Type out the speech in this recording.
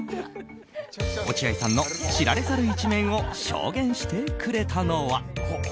落合さんの知られざる一面を証言してくれたのは。